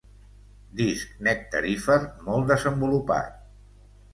Disc nectarífer molt desenvolupat.